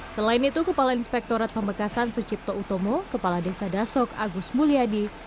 selain itu kepala inspektorat pamekasan sucipto utomo kepala desa dasok agus mulyadi